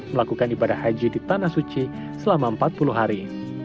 melakukan ibadah haji di tanah suci selama empat puluh hari